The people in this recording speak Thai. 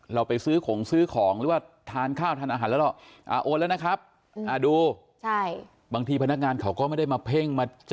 เราไปซื้อของซื้อของหรือว่าทานข้าวทานอาหารแล้วหรอก